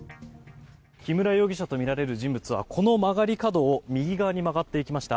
木村容疑者とみられる人物はこの曲がり角を右側に曲がっていきました。